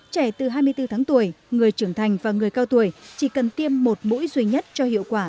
trẻ từ hai mươi bốn tháng tuổi người trưởng thành và người cao tuổi chỉ cần tiêm một mũi duy nhất cho hiệu quả